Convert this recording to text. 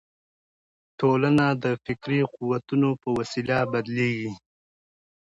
ټولنه د فکري قوتونو په وسیله بدلیږي.